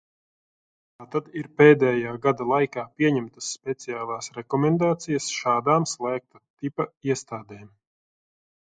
Tātad ir pēdējā gada laikā pieņemtas speciālas rekomendācijas šādām slēgta tipa iestādēm.